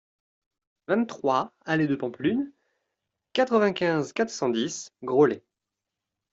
vingt-trois allée de Pampelune, quatre-vingt-quinze, quatre cent dix, Groslay